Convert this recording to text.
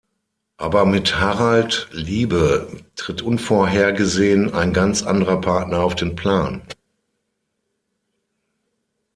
Aber mit Harald Liebe tritt unvorhergesehen ein ganz anderer Partner auf den Plan.